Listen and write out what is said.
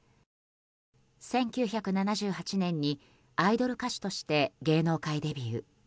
１９７８年にアイドル歌手として芸能界デビュー。